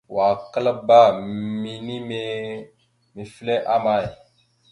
Wa klaabba minime mefle ama.